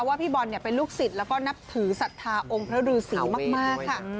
พี่บอลเป็นลูกศิษย์แล้วก็นับถือศรัทธาองค์พระฤษีมากค่ะ